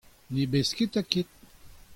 ne besketa ket.